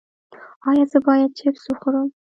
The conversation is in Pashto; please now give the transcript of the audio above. ایا زه باید چپس وخورم؟